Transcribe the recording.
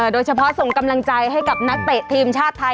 โดยเฉพาะส่งกำลังใจให้กับนักเตะทีมชาติไทย